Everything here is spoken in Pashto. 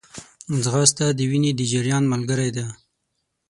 ځغاسته د وینې د جریان ملګری ده